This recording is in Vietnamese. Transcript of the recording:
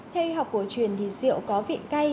theo y học cổ truyền thì rượu có vị cay